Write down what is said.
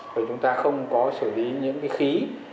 rồi chúng ta không có xử lý những khí